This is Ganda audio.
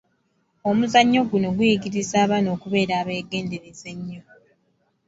Omuzannyo guno guyigiriza abaana okubeera abeegendereza ennyo.